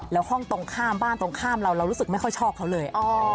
แล้วห้องตรงข้ามบ้านตรงข้ามเราเรารู้สึกไม่ค่อยชอบเขาเลย